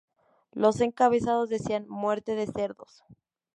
Los encabezados decía "Muerte de cerdos!